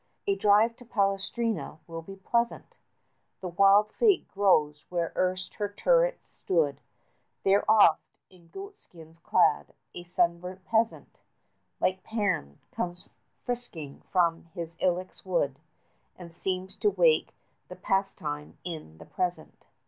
A drive to Palestrina will be pleasant; The wild fig grows where erst her turrets stood; There oft, in goat skins clad, a sunburnt peasant Like Pan comes frisking from his ilex wood, 60 And seems to wake the past time in the present.